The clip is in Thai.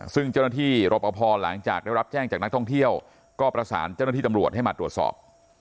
ซึ่งเจ้าหน้าที่รอปภหลังจากได้รับแจ้งจากนักท่องเที่ยวก็ประสานเจ้าหน้าที่ตำรวจให้มาตรวจสอบ